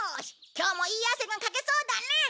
今日もいい汗がかけそうだね！